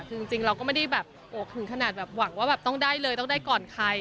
คือจริงเราก็ไม่ได้แบบโอ้ถึงขนาดแบบหวังว่าแบบต้องได้เลยต้องได้ก่อนใคร